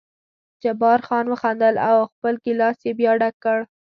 جبار خان وخندل او خپل ګیلاس یې بیا ډک کړ.